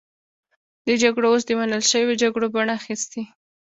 دې جګړو اوس د منل شویو جګړو بڼه اخیستې.